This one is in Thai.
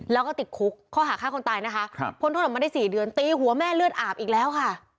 แล้วก็ติดคุกข้อหาฆ่าคนตายนะคะพ้นโทษออกมาได้๔เดือนตีหัวแม่เลือดอาบอีกแล้วค่ะ